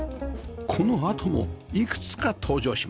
このあともいくつか登場します